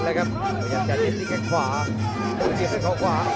พยายามจะเย็นอีกแก่งขวา